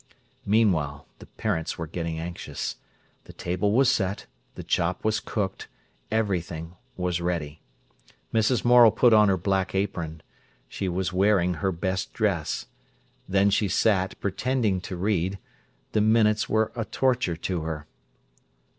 Meanwhile the parents were getting anxious. The table was set, the chop was cooked, everything was ready. Mrs. Morel put on her black apron. She was wearing her best dress. Then she sat, pretending to read. The minutes were a torture to her.